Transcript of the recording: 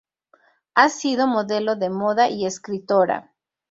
Ha sido modelo de moda y escritora.